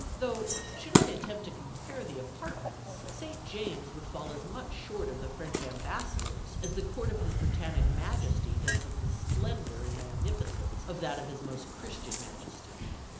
Though, should I attempt to compare the apartments, St. James's would fall as much short of the French Ambassador's as the Court of his Britannic Majesty does of the splendor and magnificence of that of his Most Christian Majesty.